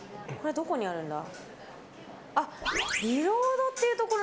どこにあるんだ？